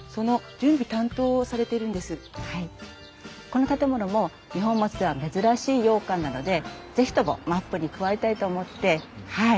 この建物も二本松では珍しい洋館なので是非ともマップに加えたいと思ってはい。